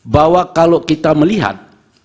bahwa kalau kita melihat